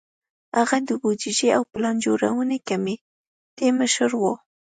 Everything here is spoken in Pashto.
هغه د بودیجې او پلان جوړونې کمېټې مشر و.